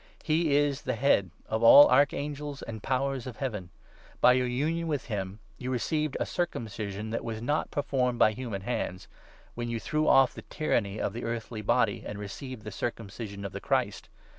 He is the Head of all Arch angels and Powers of Heaven. By your union with him you 1 1 received a circumcision that was not performed by human hands, when you threw off the tyranny of the earthly body, and received the circumcision of the Christ.